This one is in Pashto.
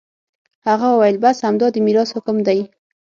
هغه وويل بس همدا د ميراث حکم دى.